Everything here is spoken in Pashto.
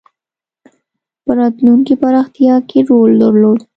په راتلونکې پراختیا کې رول درلود.